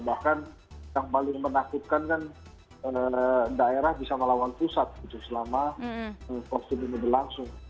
bahkan yang paling menakutkan kan daerah bisa melawan pusat selama covid sembilan belas langsung